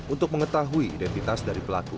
untuk mengetahui identitas dan perangkat